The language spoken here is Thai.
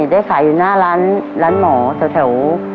ได้ขายอยู่หน้าร้านหมอแถว